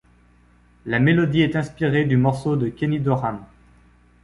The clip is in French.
La mélodie est inspirée du morceau ' de Kenny Dorham.